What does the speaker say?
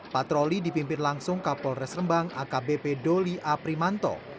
patroli dipimpin langsung kapolres rembang akbp doli a primanto